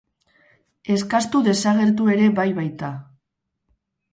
Eskastu desagertu ere bai baita.